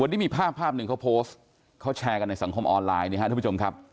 วันนี้มีภาพภาพหนึ่งเขาโพสต์เขาแชร์กันในสังคมออนไลน์นะครับทุกผู้ชมครับ